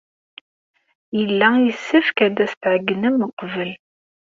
Yella yessefk ad as-tɛeyynem uqbel.